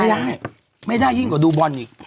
ไม่ได้ไม่ได้แยกกว่าดูบ้อนยิง